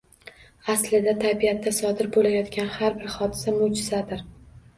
Aslida, tabiatda sodir bo‘layotgan har bir hodisa moʻjizadir.